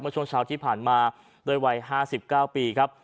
ช่วงเช้าที่ผ่านมาด้วยวัย๕๙ปีครับ